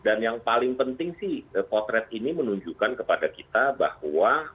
dan yang paling penting sih potret ini menunjukkan kepada kita bahwa citra itu masih lengkap